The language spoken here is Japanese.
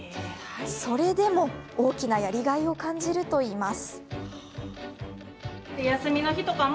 それでも大きなやりがいを感じるといいます。